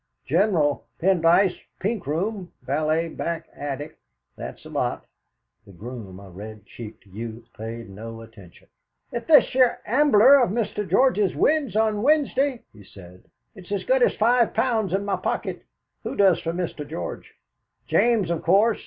General Pendyce, pink room; valet, back attic. That's the lot." The groom, a red cheeked youth, paid no attention. "If this here Ambler of Mr. George's wins on Wednesday," he said, "it's as good as five pounds in my pocket. Who does for Mr. George?" "James, of course."